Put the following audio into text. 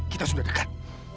kita sudah dekat